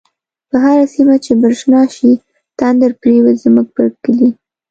په هره سیمه چی برشنا شی، تندر پریوزی زمونږ په کلی